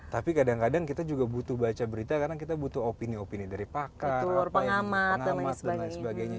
tapi kadang kadang kita juga butuh baca berita karena kita butuh opini opini dari pakar pengamat dan lain sebagainya